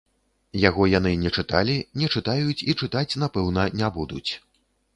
Яго яны не чыталі, не чытаюць і чытаць, напэўна, не будуць.